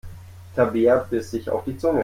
Tabea biss sich auf die Zunge.